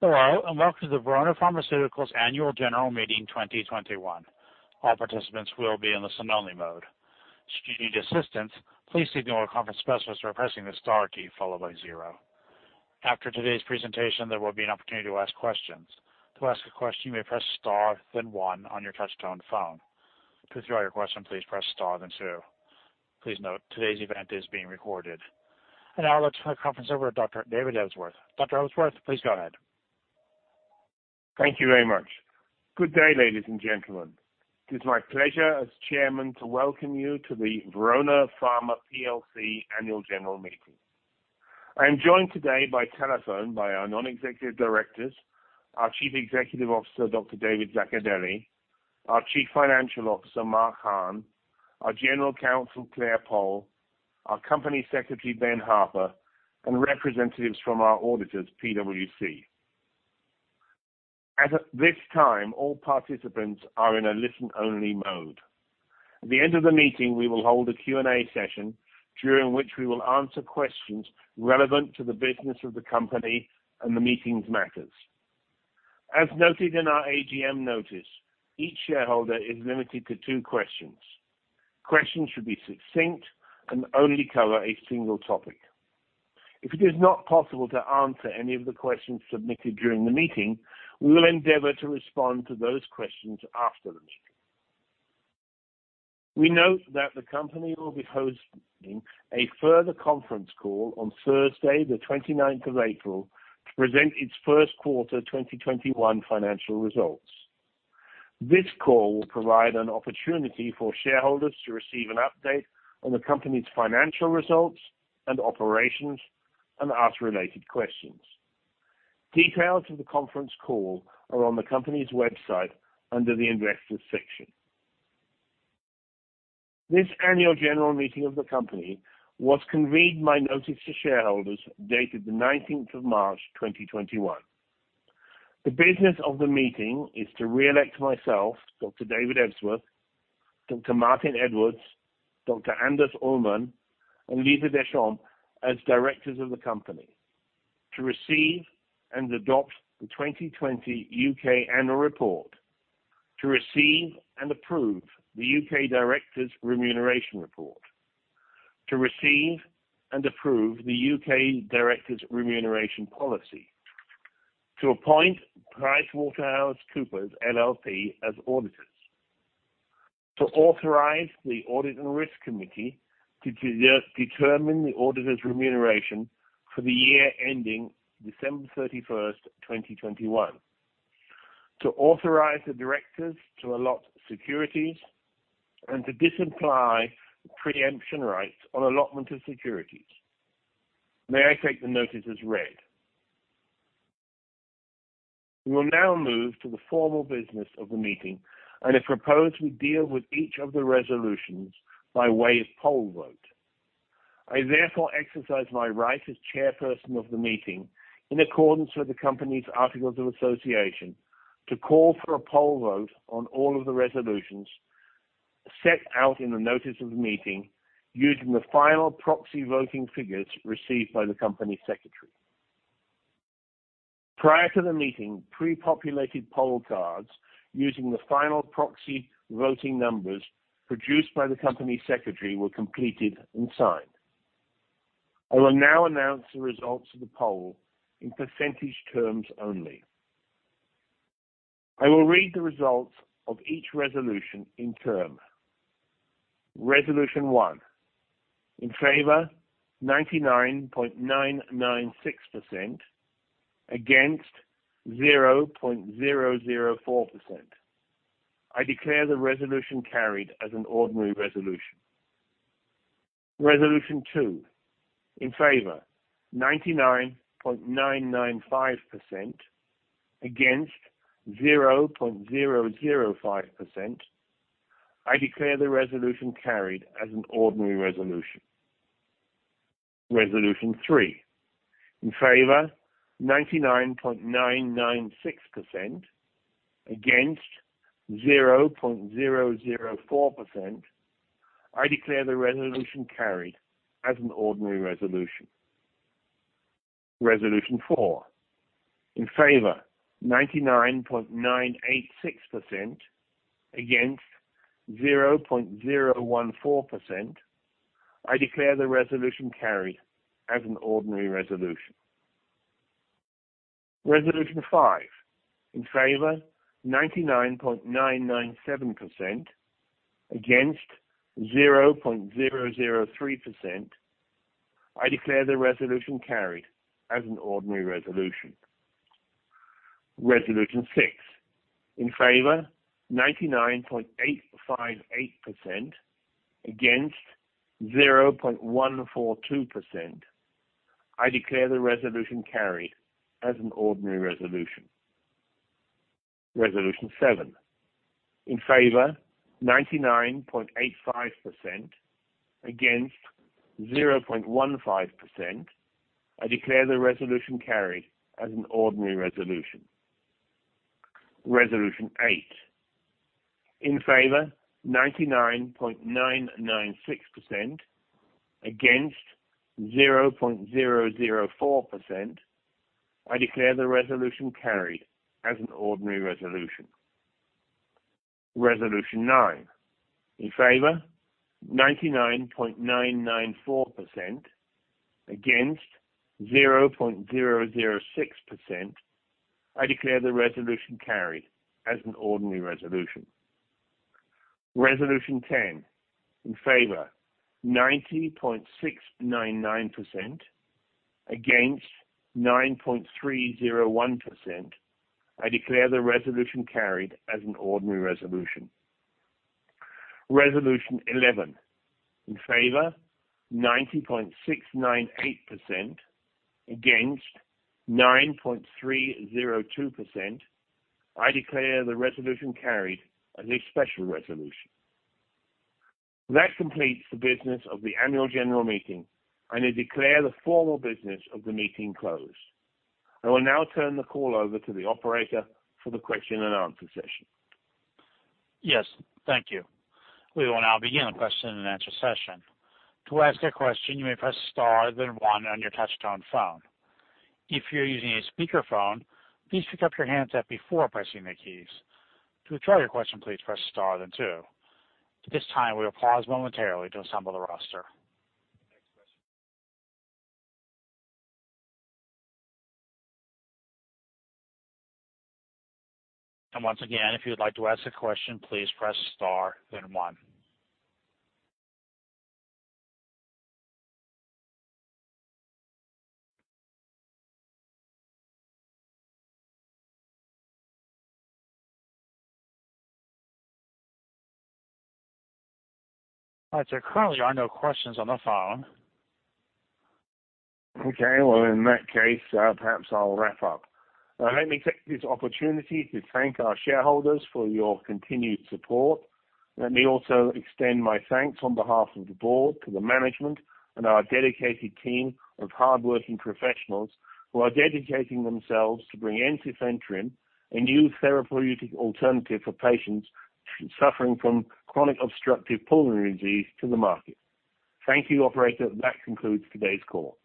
Hello, welcome to the Verona Pharmaceuticals Annual General Meeting 2021. All participants will be in the listen-only mode. Should you need assistance, please signal a conference specialist by pressing the star key followed by zero. After today's presentation, there will be an opportunity to ask questions. To ask a question, you may press star, then one on your touch-tone phone. To withdraw your question, please press star then two. Please note, today's event is being recorded. I now turn the conference over to Dr. David Ebsworth. Dr. Ebsworth, please go ahead. Thank you very much. Good day, ladies and gentlemen. It is my pleasure as chairman to welcome you to the Verona Pharma plc Annual General Meeting. I am joined today by telephone by our non-executive directors, our Chief Executive Officer, Dr. David Zaccardelli, our Chief Financial Officer, Mark Hahn, our General Counsel, Claire Poll, our Company Secretary, Ben Harber, and representatives from our auditors, PwC. At this time, all participants are in a listen-only mode. At the end of the meeting, we will hold a Q&A session, during which we will answer questions relevant to the business of the company and the meeting's matters. As noted in our AGM notice, each shareholder is limited to two questions. Questions should be succinct and only cover a single topic. If it is not possible to answer any of the questions submitted during the meeting, we will endeavor to respond to those questions after the meeting. We note that the company will be hosting a further conference call on Thursday the 29th of April to present its first quarter 2021 financial results. This call will provide an opportunity for shareholders to receive an update on the company's financial results and operations and ask related questions. Details of the conference call are on the company's website under the Investors section. This annual general meeting of the company was convened by notice to shareholders dated the 19th of March 2021. The business of the meeting is to reelect myself, Dr. David Ebsworth, Dr. Martin Edwards, Dr. Anders Ullman, and Lisa Deschamps as directors of the company. To receive and adopt the 2020 U.K. Annual Report. To receive and approve the U.K. Directors' Remuneration Report. To receive and approve the U.K. Directors' Remuneration Policy. To appoint PricewaterhouseCoopers LLP as auditors. To authorize the Audit and Risk Committee to determine the auditors' remuneration for the year ending December 31st, 2021. To authorize the directors to allot securities and to disapply preemption rights on allotment of securities. May I take the notice as read? We will now move to the formal business of the meeting, and it's proposed we deal with each of the resolutions by way of poll vote. I therefore exercise my right as chairperson of the meeting, in accordance with the company's articles of association, to call for a poll vote on all of the resolutions set out in the notice of the meeting using the final proxy voting figures received by the company secretary. Prior to the meeting, pre-populated poll cards using the final proxy voting numbers produced by the company secretary were completed and signed. I will now announce the results of the poll in percentage terms only. I will read the results of each resolution in turn. Resolution one. In favor, 99.996%. Against, 0.004%. I declare the resolution carried as an ordinary resolution. Resolution two. In favor, 99.995%. Against, 0.005%. I declare the resolution carried as an ordinary resolution. Resolution three. In favor, 99.996%. Against, 0.004%. I declare the resolution carried as an ordinary resolution. Resolution four. In favor, 99.986%. Against, 0.014%. I declare the resolution carried as an ordinary resolution. Resolution five. In favor, 99.997%. Against, 0.003%. I declare the resolution carried as an ordinary resolution. Resolution six. In favor, 99.858%. Against, 0.142%. I declare the resolution carried as an ordinary resolution. Resolution seven. In favor, 99.85%. Against, 0.15%. I declare the resolution carried as an ordinary resolution. Resolution eight. In favor, 99.996%. Against, 0.004%. I declare the resolution carried as an ordinary resolution. Resolution nine. In favor, 99.994%. Against, 0.006%. I declare the resolution carried as an ordinary resolution. Resolution 10. In favor, 90.699%. Against, 9.301%. I declare the resolution carried as an ordinary resolution. Resolution 11. In favor, 90.698%. Against, 9.302%. I declare the resolution carried as a special resolution. That completes the business of the annual general meeting, and I declare the formal business of the meeting closed. I will now turn the call over to the Operator for the question and answer session. Yes. Thank you. We will now begin the question-and-answer session. All right, sir, currently there are no questions on the phone. Okay. Well, in that case, perhaps I'll wrap up. Let me take this opportunity to thank our shareholders for your continued support. Let me also extend my thanks on behalf of the board to the management and our dedicated team of hardworking professionals who are dedicating themselves to bring ensifentrine, a new therapeutic alternative for patients suffering from chronic obstructive pulmonary disease, to the market. Thank you, Operator. That concludes today's call.